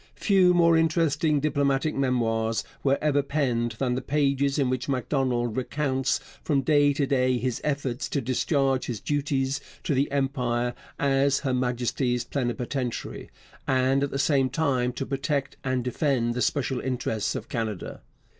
Few more interesting diplomatic memoirs were ever penned than the pages in which Macdonald recounts from day to day his efforts to discharge his duties to the Empire as Her Majesty's plenipotentiary, and at the same time to protect and defend the special interests of Canada.